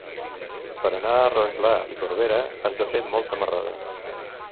Per anar a Rotglà i Corberà has de fer molta marrada.